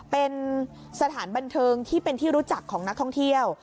เป็นสถานบันเทิงที่เป็นที่รู้จักของนักท่องเที่ยว